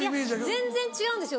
全然違うんですよ